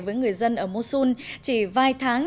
với người dân ở mosul chỉ vài tháng